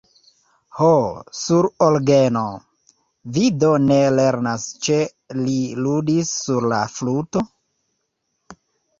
Ho, sur orgeno? Vi do ne lernas ĉe li ludis sur la fluto?